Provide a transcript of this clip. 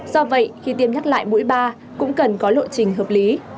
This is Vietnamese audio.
do vậy khi tiêm nhắc lại mũi ba cũng cần có lộ trình hợp lý